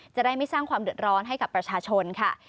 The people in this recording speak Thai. จะได้ไม่สร้างความเดือดร้อนให้กับประชาชนค่ะ